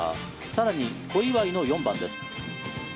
更に小祝の４番です。